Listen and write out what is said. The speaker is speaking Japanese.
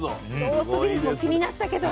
ローストビーフも気になったけど。